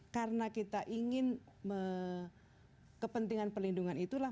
karena kita ingin kepentingan pelindungan itulah